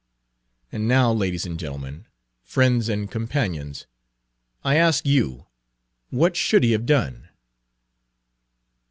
"And now, ladies and gentlemen, friends and companions, I ask you, what should he have done?"